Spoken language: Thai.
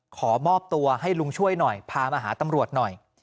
ขอมอบตัวให้ลุงช่วยหน่อยพามาหาตำรวจหน่อย